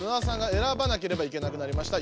選ばなければいけなくなりました